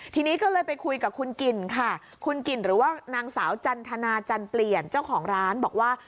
ทีนี้ก็เลยไปคุยกับคุณกิ่นค่ะคุณกิ่นหรือว่านางสาวจันทนาจันเปลี่ยนเจ้าของร้านบอกว่า